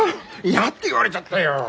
嫌って言われちゃったよ。